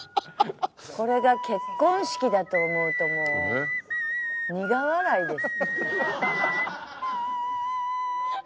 これが結婚式だと思うともう苦笑いです。